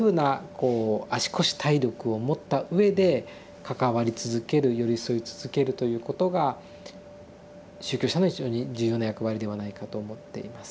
こう足腰体力を持ったうえで関わり続ける寄り添い続けるということが宗教者の非常に重要な役割ではないかと思っています。